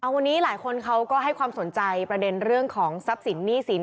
วันนี้หลายคนเขาก็ให้ความสนใจประเด็นเรื่องของทรัพย์สินหนี้สิน